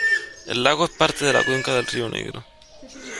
El lago es parte de la cuenca del río Negro.